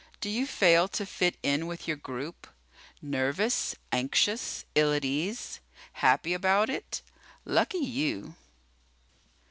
Do you fail to fit in with your group? Nervous, anxious, ill at ease? Happy about it? Lucky you!